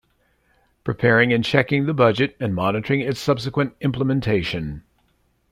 Preparing and checking the budget and monitoring its subsequent implementation.